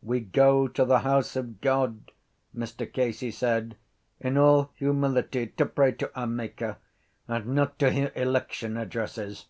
—We go to the house of God, Mr Casey said, in all humility to pray to our Maker and not to hear election addresses.